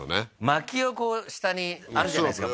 薪をこう下にあるじゃないですか